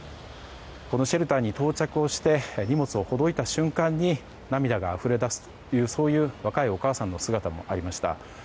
このシェルターに到着して荷物をほどいた瞬間に涙があふれだすという若いお母さんの姿もありました。